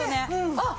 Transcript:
あっ！